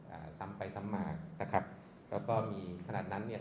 อ่าซ้ำไปซ้ำมานะครับแล้วก็มีขนาดนั้นเนี่ย